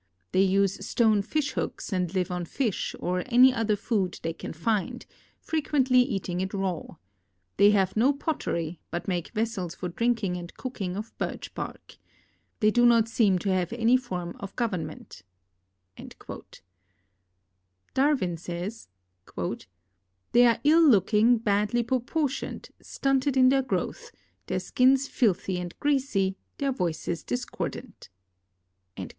They use stone fish hooks and live on fish or any other food they can find, frequently eating it raw. They have no pottery, but make vessels for drinking and cooking of birch bark. They do not seem to have any form of govern ment." Darwin says, " They are ill looking, badly proportioned, stunted in their growth, their skins filthy and greasy, their voices discordant."